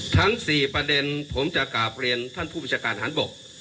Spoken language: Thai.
ทั้ง๔ประเด็นผมจะกราบเรียนท่านผู้บัญชาการฐานบก